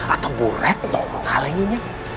atau bu retno menghalanginya